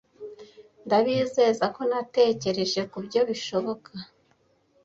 Ndabizeza ko natekereje kubyo bishoboka.